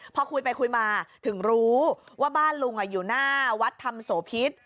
พอคุยไปคุยมาถึงรู้ว่าบ้านลุงอยู่หน้าวัดธรรมโสพิษ